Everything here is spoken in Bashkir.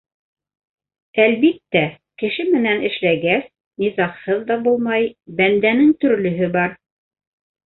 Әлбиттә, кеше менән эшләгәс, низағһыҙ ҙа булмай, бәндәнең төрлөһө бар.